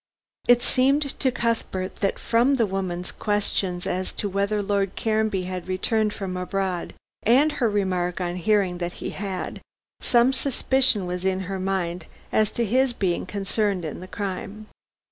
It seemed to Cuthbert that, from the woman's question as to whether Lord Caranby had returned from abroad, and her remark on hearing that he had, some suspicion was in her mind as to his being concerned in the crime.